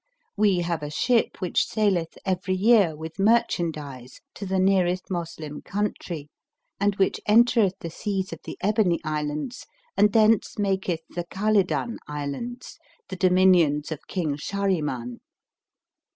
We have a ship which saileth every year with merchandise to the nearest Moslem country and which entereth the seas of the Ebony Islands and thence maketh the Khalidan Islands, the dominions of King Shahriman."